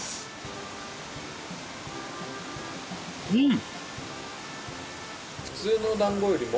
うん！